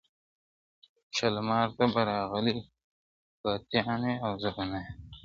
شالمار ته به راغلي، طوطیان وي، او زه به نه یم!.